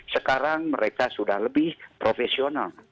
sekarang mereka sudah lebih profesional